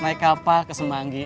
naik kapal ke semanggi